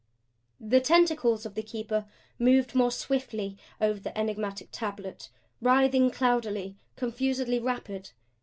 The tentacles of the Keeper moved more swiftly over the enigmatic tablet; writhing cloudily; confusedly rapid.